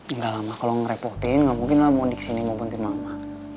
enggak lah mah kalo ngerepotin gak mungkin lah mondi kesini mau buntin mama